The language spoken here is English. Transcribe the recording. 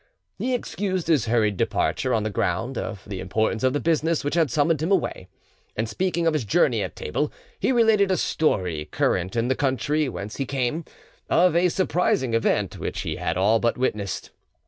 He excused his hurried departure on the ground of the importance of the business which had summoned him away; and speaking of his journey at table, he related a story current in the country whence he came, of a surprising event which he had all but witnessed.